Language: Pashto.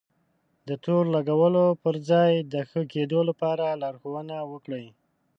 د تور لګولو پر ځای د ښه کېدو لپاره لارښونه وکړئ.